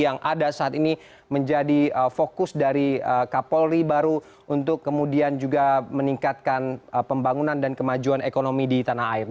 yang ada saat ini menjadi fokus dari kapolri baru untuk kemudian juga meningkatkan pembangunan dan kemajuan ekonomi di tanah air